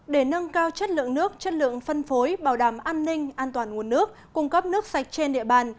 để nâng cao chất lượng nước chất lượng phân phối bảo đảm an ninh an toàn nguồn nước cung cấp nước sạch trên địa bàn